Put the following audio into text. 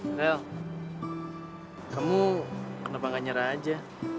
ngerel kamu kenapa gak nyerah aja